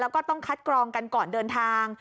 แล้วก็ต้องคัดกรองกันก่อนเดินทาง